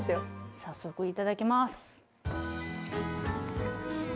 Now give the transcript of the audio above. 早速いただきます。